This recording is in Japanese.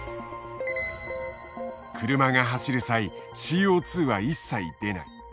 車が走る際ＣＯは一切出ない。